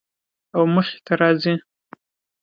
او مخې ته راځي